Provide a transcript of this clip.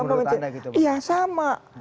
sama saja menurut anda gitu iya sama